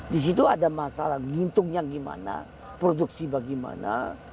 di situ ada masalah gintungnya bagaimana produksi bagaimana